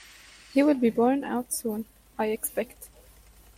He will be worn out soon, I expect.